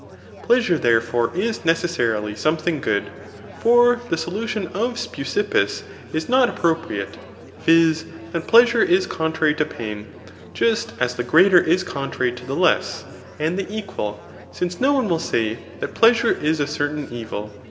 Pleasure, therefore, is necessarily something good. For the solution of Speusippus is not appropriate, viz. that pleasure is contrary to pain, just as the greater is contrary to the less and the equal ; since no one will say that plea sure is a certain evil.'